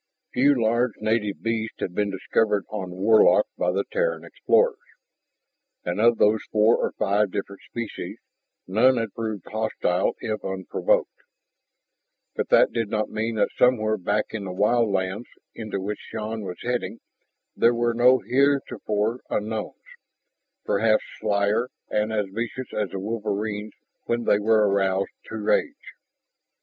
Few large native beasts had been discovered on Warlock by the Terran explorers. And of those four or five different species, none had proved hostile if unprovoked. But that did not mean that somewhere back in the wild lands into which Shann was heading there were no heretofore unknowns, perhaps slyer and as vicious as the wolverines when they were aroused to rage.